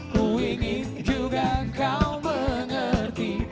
ku ingin juga kau mengerti